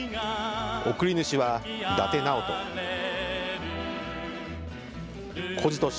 送り主は伊達直人。